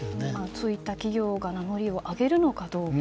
そういった企業が名乗りを上げるのかどうか。